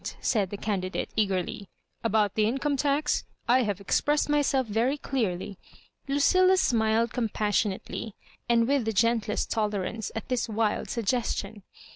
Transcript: said the candidate, eagerly— "about the Income tax ? I have expressed myself very clearly " Lucilla smiled compassionately, and with the gentlest tolerance, at this wild suggestion.